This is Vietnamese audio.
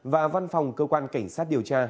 và văn phòng cơ quan cảnh sát điều tra